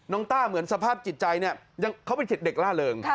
ต้าเหมือนสภาพจิตใจเนี่ยเขาเป็นเด็กล่าเริง